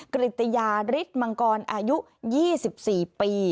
กริตติยาริสต์มังกรอายุ๒๔ปี